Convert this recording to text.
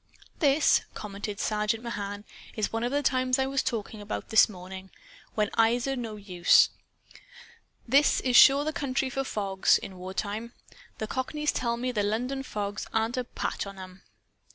"This," commented Sergeant Mahan, "is one of the times I was talking about this morning when eyes are no use. This is sure the country for fogs, in war time. The cockneys tell me the London fogs aren't a patch on 'em."